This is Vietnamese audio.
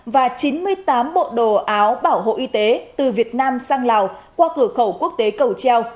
và chín mươi tám bộ đồ áo bảo hộ y tế từ việt nam sang lào qua cửa khẩu quốc tế cầu treo